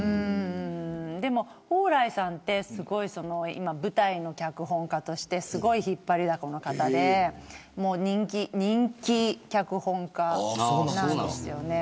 でも蓬莱さんって舞台の脚本家としてすごい引っ張りだこの方で人気脚本家なんですよね。